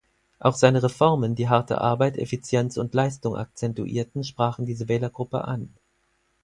Auch seine Reformen, die harte Arbeit, Effizienz und Leistung akzentuierten, sprachen diese Wählergruppe an.